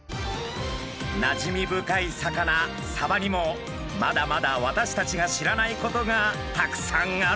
なじみ深い魚サバにもまだまだ私たちが知らないことがたくさんあるんですね。